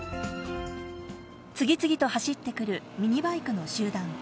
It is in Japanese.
次々と走ってくるミニバイクの集団。